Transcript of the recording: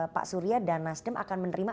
pak surya dan nasdem akan menerima